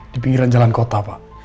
di pinggiran jalan kota pak